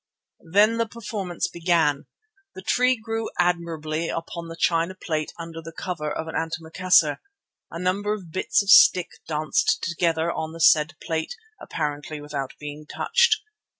Then the performance began. The tree grew admirably upon the china plate under the cover of an antimacassar. A number of bits of stick danced together on the said plate, apparently without being touched.